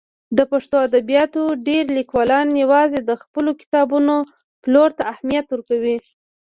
د پښتو ادبیاتو ډېری لیکوالان یوازې د خپلو کتابونو پلور ته اهمیت ورکوي.